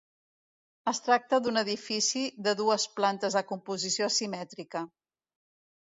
Es tracta d'un edifici de dues plantes de composició asimètrica.